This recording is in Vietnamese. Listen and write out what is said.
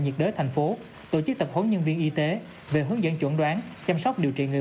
nhiệt đới thành phố tổ chức tập huấn nhân viên y tế về hướng dẫn chuẩn đoán chăm sóc điều trị người